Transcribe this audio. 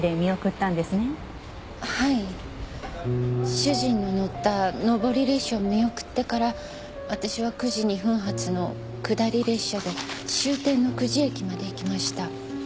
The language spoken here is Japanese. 主人の乗った上り列車を見送ってから私は９時２分発の下り列車で終点の久慈駅まで行きました。